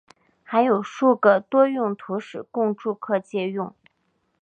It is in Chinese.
还有数个多用途室供住客借用。